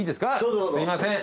すいません。